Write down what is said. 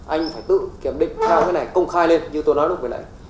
anh phải tự kiểm định theo cái này công khai lên như tôi nói lúc nãy